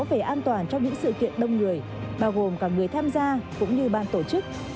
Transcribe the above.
về an toàn trong những sự kiện đông người bao gồm cả người tham gia cũng như ban tổ chức